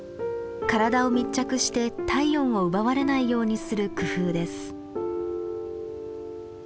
体を密着して体温を奪われないようにする工夫です。